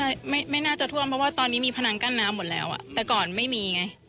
ไม่ไม่น่าจะท่วมเพราะว่าตอนนี้มีพนังกั้นน้ำหมดแล้วอ่ะแต่ก่อนไม่มีไง